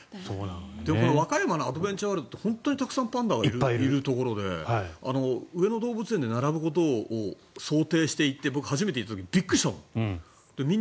和歌山のアドベンチャーワールドって本当にたくさんパンダがいるところで上野動物園で並ぶことを想定して行って僕、初めて行った時びっくりしたもん。